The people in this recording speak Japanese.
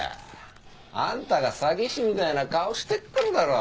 あんたが詐欺師みたいな顔してっからだろ。